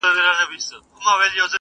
جهاني رامعلومېږي د شفق له خوني سترګو!.